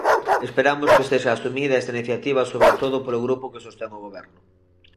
Esperamos que sexa asumida esta iniciativa sobre todo polo grupo que sostén o Goberno.